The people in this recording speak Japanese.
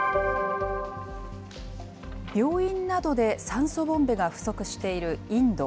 病院などで酸素ボンベが不足しているインド。